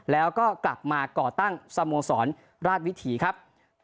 แล้วก็กลับมาก่อตั้งสโมสรราชวิถีครับ